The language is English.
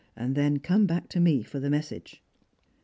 And then oome back to me for the message."